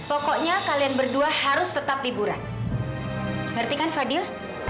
pokoknya kalian berdua harus tetap liburan ngerti kan fadhil